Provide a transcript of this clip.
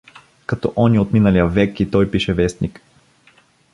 Като оня от миналия век, и той пише вестник.